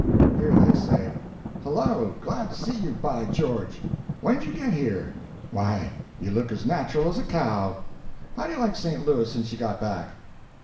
Here they say: "Hello! glad to see you, by George!—When'd you get here?—Why, you look as natural as a cow!—How do you like St. Louis since you got back?